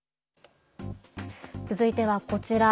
続いては、こちら。